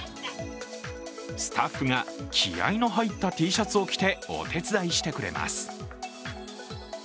スタッフが気合いの入ったＴシャツを着てお手伝いしてくれます。